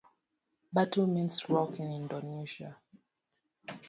Batu means rock in Indonesian.